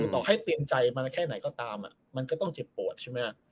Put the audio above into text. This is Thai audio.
ต่อให้เปลี่ยนใจมาแค่ไหนก็ตามมันก็ต้องเจ็บปวดใช่ไหม